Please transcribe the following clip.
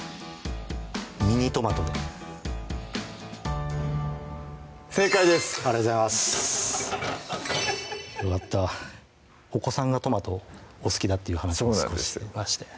ミニトマトで正解ですありがとうございますよかったお子さんがトマトをお好きだっていう話をそうなんですよ